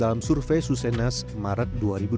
dalam survei susenas maret dua ribu dua puluh